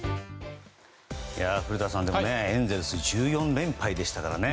古田さん、エンゼルス１４連敗でしたからね